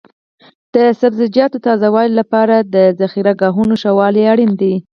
د سبزیجاتو تازه والي لپاره د ذخیره ګاهونو ښه والی اړین دی.